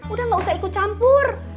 udah gak usah ikut campur